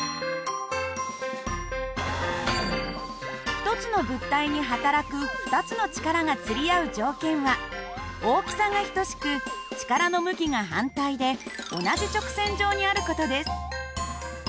１つの物体に働く２つの力がつり合う条件は大きさが等しく力の向きが反対で同じ直線上にある事です。